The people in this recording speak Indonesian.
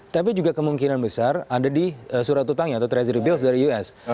tapi juga kemungkinan besar ada di surat utangnya atau treasury bills dari us